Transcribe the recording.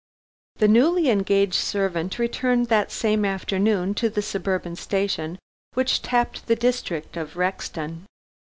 The newly engaged servant returned that same afternoon to the suburban station, which tapped the district of Rexton.